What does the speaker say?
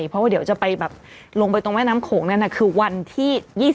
เพราะว่าเดี๋ยวจะไปแบบลงไปตรงแม่น้ำโขงนั่นคือวันที่๒๒